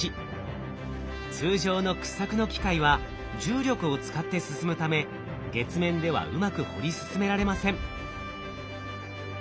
通常の掘削の機械は重力を使って進むため月面ではうまく掘り進められません。